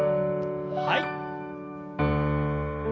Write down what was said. はい。